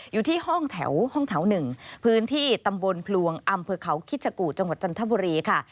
อยู่ที่ห้องแถวห้องแถว๑พื้นที่ตำบลพลวงอำเภอเขาคิชกู่จังหวัดจันทบุรีค่ะ